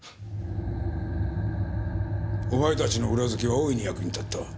お前たちの裏づけは大いに役に立った。